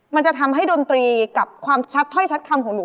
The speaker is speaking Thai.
มันจะทำให้ดนตรีกับความชัดถ้อยชัดคำของหนู